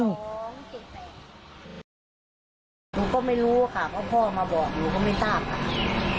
หนูก็ไม่รู้ค่ะเพราะพ่อมาบอกหนูก็ไม่ทราบค่ะ